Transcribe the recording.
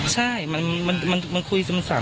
ใช่สามารถคุยกันได้